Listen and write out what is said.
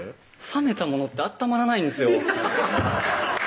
冷めたものって温まらないんですよ